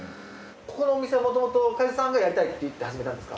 ここのお店はもともと海津さんがやりたいって言って始めたんですか？